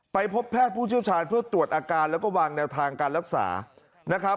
พบแพทย์ผู้เชี่ยวชาญเพื่อตรวจอาการแล้วก็วางแนวทางการรักษานะครับ